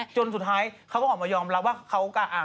จนสุดท้ายเขาก็ออกมายอมรับว่าเขาก็อ่า